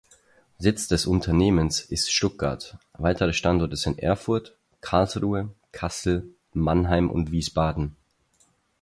Sitz des Unternehmens ist Stuttgart, weitere Standorte sind Erfurt, Karlsruhe, Kassel, Mannheim und Wiesbaden.